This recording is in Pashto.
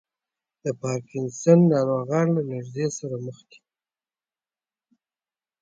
د پارکینسن ناروغان له لړزې سره مخ وي.